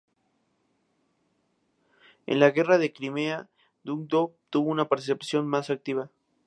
En la Guerra de Crimea Dondukov-Korsákov tuvo una participación más activa.